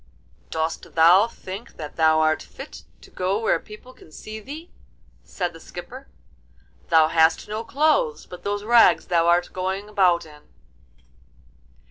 'Dost thou think that thou art fit to go where people can see thee?' said the skipper; 'thou hast no clothes but those rags thou art going about in!